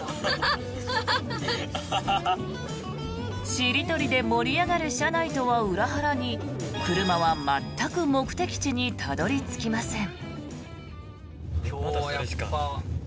しりとりで盛り上がる車内とは裏腹に車は全く目的地にたどり着きません。